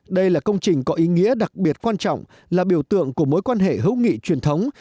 đây là công trình có ý nghĩa đặc biệt quan trọng là biểu tượng của mối quan hệ hữu nghị truyền thống